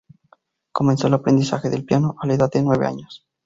Comenzó el aprendizaje del piano a la edad de nueve años.